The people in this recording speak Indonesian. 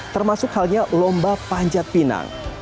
termasuk halnya lomba panjat pinang